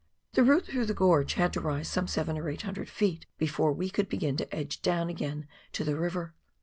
The route through the gorge had to rise some 700 or 800 feet before we could begin to edge down again to the river.